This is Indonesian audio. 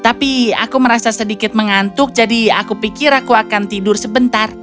tapi aku merasa sedikit mengantuk jadi aku pikir aku akan tidur sebentar